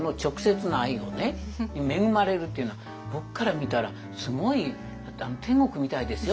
恵まれるというのは僕から見たらすごい天国みたいですよ。